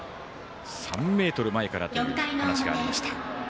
３ｍ前からという話がありました。